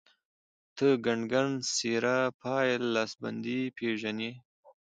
ته کنګڼ ،سيره، پايل، لاسبندي پيژنې